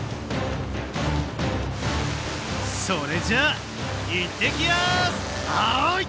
それじゃ行ってきやす！